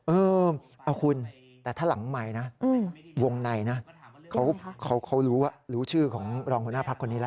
เออเอาคุณแต่ถ้าหลังใหม่นะวงในนะเขารู้รู้ชื่อของรองหัวหน้าพักคนนี้แล้ว